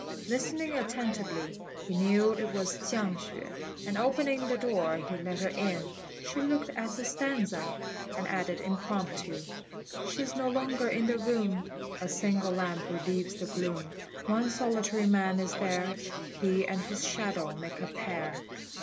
Listening attentively, he knew it was Chiang hsüeh; and opening the door he let her in. She looked at his stanza, and added impromptu "She is no longer in the room; A single lamp relieves the gloom; One solitary man is there; He and his shadow make a pair."